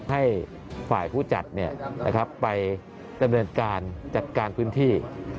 ให้ฝ่ายผู้จัดไปดำเนินการจัดการพื้นที่